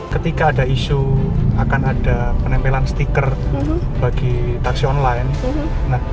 ketika ada isu akan ada penempelan stiker bagi taksi online